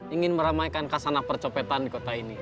ingin meramaikan kasanah percopetan di kota ini